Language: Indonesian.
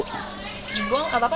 dibuang gak apa apa